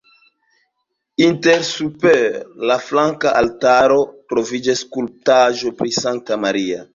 Interne super la flanka altaro troviĝas skulptaĵo pri Sankta Maria.